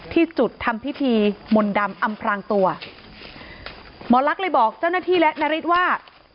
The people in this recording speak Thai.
ที่จุดทำพิธีมนต์ดำอำพรางตัวหมอลักษณ์เลยบอกเจ้าหน้าที่และนาริสว่า